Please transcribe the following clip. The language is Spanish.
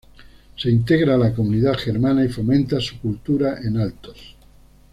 Se integra a la comunidad germana y fomenta su cultura en Altos.